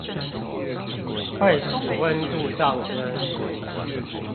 會使溫度上昇